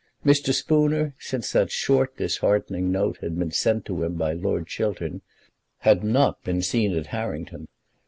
Mr. Spooner, since that short, disheartening note had been sent to him by Lord Chiltern, had not been seen at Harrington.